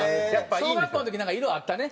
小学校の時なんか色あったね。